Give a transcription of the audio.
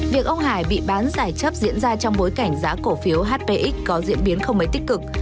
việc ông hải bị bán giải chấp diễn ra trong bối cảnh giá cổ phiếu hpx có diễn biến không mấy tích cực